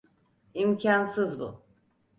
İmkânsız bu.